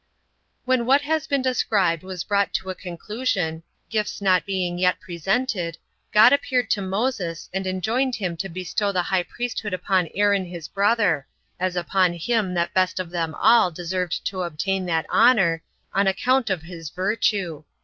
1. When what has been described was brought to a conclusion, gifts not being yet presented, God appeared to Moses, and enjoined him to bestow the high priesthood upon Aaron his brother, as upon him that best of them all deserved to obtain that honor, on account of his virtue.